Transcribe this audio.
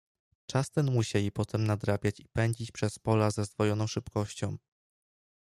"Czas ten musieli potem nadrabiać i pędzić przez pola ze zdwojoną szybkością."